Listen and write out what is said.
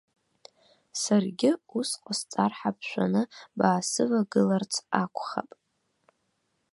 Саргьы ус ҟасҵар ҳәа бшәаны, баасывагыларц акәхап.